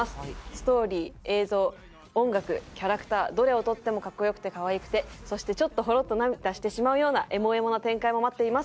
ストーリー映像音楽キャラクターどれを取っても格好良くて可愛くてそしてちょっとほろっと涙してしまうようなエモエモな展開も待っています。